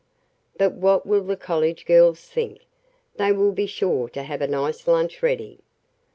"But what will the college girls think? They will be sure to have a nice lunch ready."